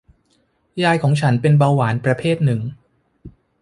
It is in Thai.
ยายของฉันเป็นเบาหวานประเภทหนึ่ง